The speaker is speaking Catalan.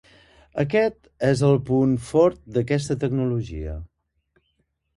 Aquest és el principal punt fort d'aquesta tecnologia.